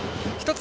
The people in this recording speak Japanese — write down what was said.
１つ